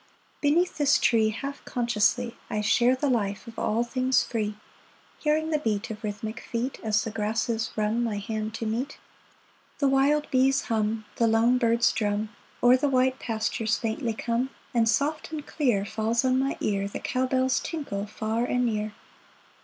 Beneath this tree Half consciously . I share the life of all things free, Hearing the beat Of rhythmic feet. As the grasses run my hand to meet. 390 AFTERNOON The wild bee's hum, The lone bird's drum, O'er the wide pastures faintly come ; And soft and clear Falls on my ear The cow bell's tinkle, far and near